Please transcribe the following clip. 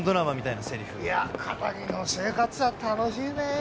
いや堅気の生活は楽しいねえ。